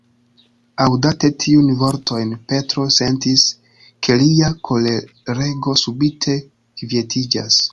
Aŭdante tiujn vortojn, Petro sentis, ke lia kolerego subite kvietiĝas.